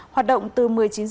hoạt động từ một mươi chín h